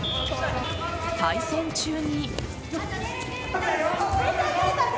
対戦中に。